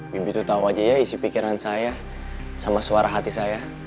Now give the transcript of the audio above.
bibi tuh tau aja ya isi pikiran saya sama suara hati saya